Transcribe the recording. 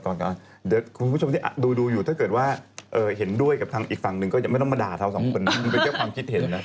ก่อนก่อนเดี๋ยวคุณผู้ชมดูอยู่ถ้าเกิดว่าเอ่อเห็นด้วยกับทางอีกฝั่งนึงก็ยังไม่ต้องมาด่าเราสองคนนั้นนี่เป็นแค่ความคิดเห็นนะ